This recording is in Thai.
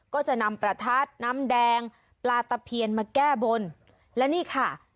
ก็จะนำประทัดน้ำแดงปลาตะเพียนมาแก้บนและนี่ค่ะ